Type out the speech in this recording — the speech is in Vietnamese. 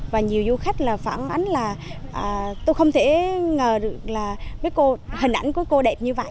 và nhiều du khách là phản ánh là tôi không thể ngờ được là với cô hình ảnh của cô đẹp như vậy